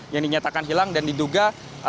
yang dinyatakan hilang dan diduga